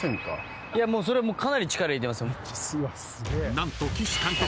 ［何と岸監督